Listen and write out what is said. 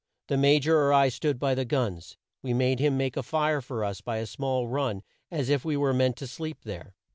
The Ma jor or I stood by the guns. We made him make a fire for us by a small run as if we meant to sleep there.